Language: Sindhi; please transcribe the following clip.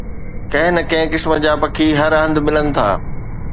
ڪنهن نه ڪنهن قسم جا پکي هر هنڌ ملن ٿا